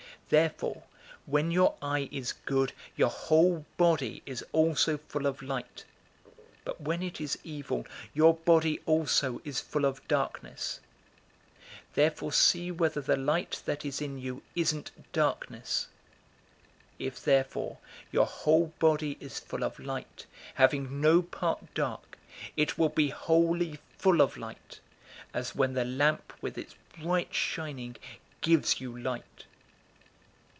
Therefore when your eye is good, your whole body is also full of light; but when it is evil, your body also is full of darkness. 011:035 Therefore see whether the light that is in you isn't darkness. 011:036 If therefore your whole body is full of light, having no part dark, it will be wholly full of light, as when the lamp with its bright shining gives you light."